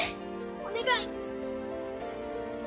お願い！